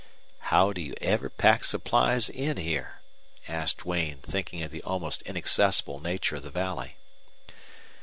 "How do you ever pack supplies in here?" asked Duane, thinking of the almost inaccessible nature of the valley.